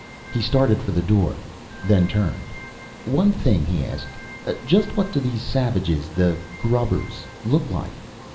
He started for the door, then turned. "One thing," he asked. "Just what do these savages the grubbers look like?"